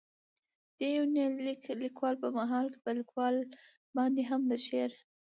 دې يونليک ليکلو په مهال، په ليکوال باندې هم د شعر.